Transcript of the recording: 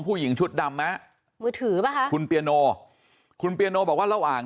ผู้หญิงชุดดำไหมมือถือป่ะคะคุณเปียโนคุณเปียโนบอกว่าระหว่าง